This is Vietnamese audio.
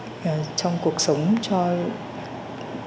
trong cuộc sống cho chúng tôi thực tế là chứng minh là